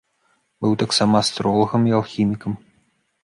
Быў таксама астролагам і алхімікам.